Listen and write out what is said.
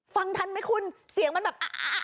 ฟังทันไหมคุณเสียงมันแบบ